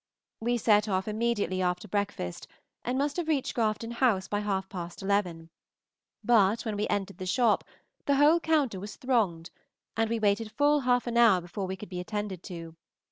We set off immediately after breakfast, and must have reached Grafton House by half past eleven; but when we entered the shop the whole counter was thronged, and we waited full half an hour before we could be attended to.